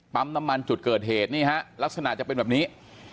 น้ำมันจุดเกิดเหตุนี่ฮะลักษณะจะเป็นแบบนี้